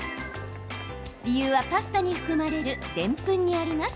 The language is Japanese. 理由はパスタに含まれるでんぷんにあります。